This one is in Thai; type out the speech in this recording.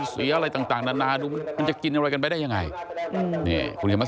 สนุกดี